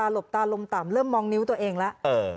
บตาลมต่ำเริ่มมองนิ้วตัวเองแล้ว